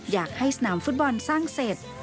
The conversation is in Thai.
อยากให้สนามฟุตบอลสร้างเสร็จ